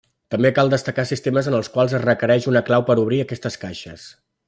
També cal destacar sistemes en els quals es requereix una clau per obrir aquestes caixes.